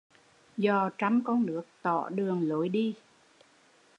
Dò trăm con nước, tỏ đường lối đi